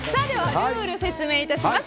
ルールを説明いたします。